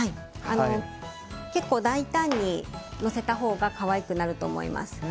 結構、大胆に乗せたほうが可愛くなると思います。